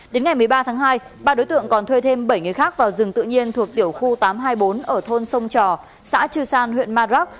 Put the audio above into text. đến ngày một mươi ba tháng hai ba đối tượng còn thuê thêm bảy người khác vào rừng tự nhiên thuộc tiểu khu tám trăm hai mươi bốn ở thôn sông trò xã chư san huyện maroc